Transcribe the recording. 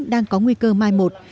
đang có nguy cơ mai một